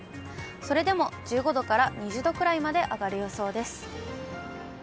それでも１５度から２０度くらいまで上がる予想です。